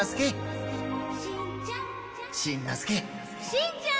しんちゃん！